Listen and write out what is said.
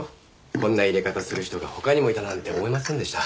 こんな淹れ方する人が他にもいたなんて思いませんでした。